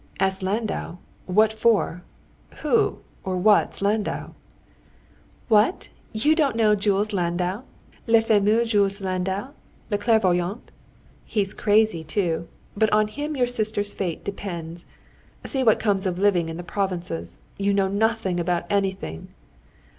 "Ask Landau? What for? Who or what's Landau?" "What! you don't know Jules Landau, le fameux Jules Landau, le clairvoyant? He's crazy too, but on him your sister's fate depends. See what comes of living in the provinces—you know nothing about anything.